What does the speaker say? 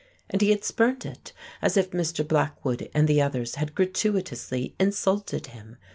And he had spurned it as if Mr. Blackwood and the others had gratuitously insulted him!